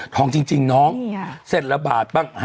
ทองจริงน้องเสร็จละบาทบ้าง